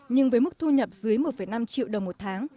nhưng với mức thu nhập dưới một năm triệu đồng một tháng